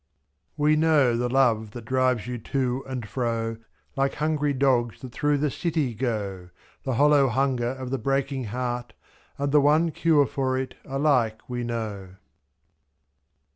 ' We know the love that drives you to and fro. Like hungry dogs that through the city go, /•••The hollow hunger of the breaking heart. And the one cure for it, alike we know.